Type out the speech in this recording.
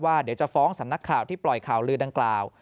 เดี๋ยวจะฟ้องสำนักข่าวที่ปล่อยข่าวลือดังกล่าว